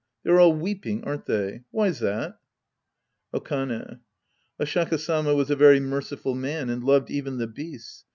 They're all weepang, aren't they ? Why's that ? Okane. Oshaka Sama was a very merciful man and loved even the beasts.